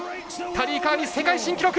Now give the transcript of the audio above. タリー・カーニー世界新記録！